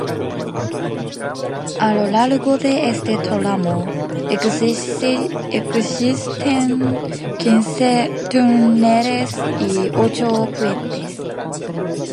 A lo largo de este tramo existen quince túneles y ocho puentes.